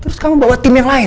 terus kamu bawa tim yang lain